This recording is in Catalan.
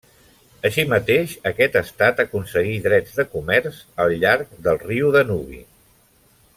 Així mateix aquest estat aconseguí drets de comerç al llarg del riu Danubi.